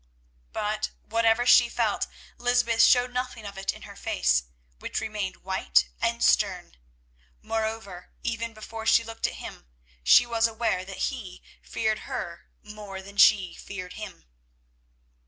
But whatever she felt Lysbeth showed nothing of it in her face, which remained white and stern; moreover, even before she looked at him she was aware that he feared her more than she feared him.